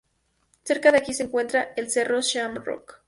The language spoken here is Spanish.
Cerca de aquí se encuentra el Cerro Shamrock.